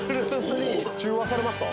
中和されました？